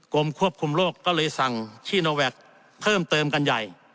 กรมควบคุมโรคก็เลยสั่งชีโนแวคเพิ่มเติมกันใหญ่